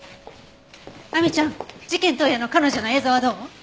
亜美ちゃん事件当夜の彼女の映像はどう？